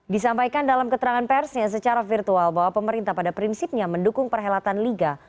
disampaikan dalam keterangan persnya secara virtual bahwa pemerintah pada prinsipnya mendukung perhelatan liga